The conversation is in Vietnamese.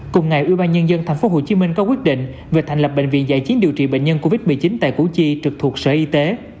cùng ngày ủy ban nhân dân tp hcm có quyết định về thành lập bệnh viện dạy chiến điều trị bệnh nhân covid một mươi chín tại củ chi trực thuộc sở y tế